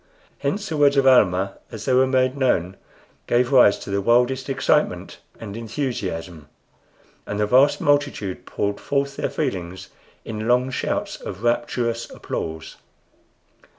Hence the words of Almah, as they were made known, gave rise to the wildest excitement and enthusiasm, and the vast multitude poured forth their feelings in long shouts of rapturous applause.